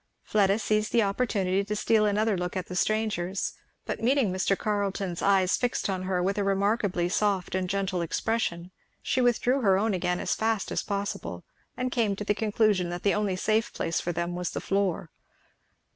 Fleda seized the opportunity to steal another look at the strangers; but meeting Mr. Carleton's eyes fixed on her with a remarkably soft and gentle expression she withdrew her own again as fast as possible, and came to the conclusion that the only safe place for them was the floor.